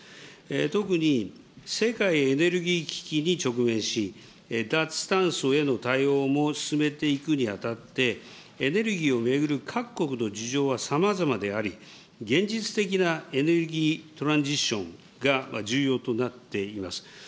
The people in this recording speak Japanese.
特に、世界エネルギー危機に直面し、脱炭素への対応も進めていくにあたって、エネルギーを巡る各国の事情はさまざまであり、現実的なエネルギートランジッションが重要となっています。